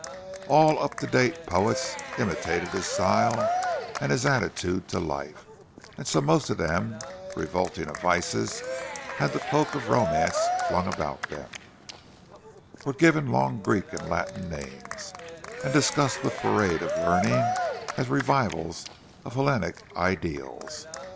All up to date poets imitated his style and his attitude to life; and so the most revolting of vices had the cloak of romance flung about them—were given long Greek and Latin names, and discussed with parade of learning as revivals of Hellenic ideals.